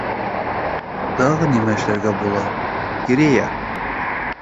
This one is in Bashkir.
Тағы нимә эшләргә була, Керея?